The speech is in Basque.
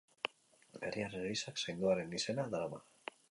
Herriaren elizak sainduaren izena darama.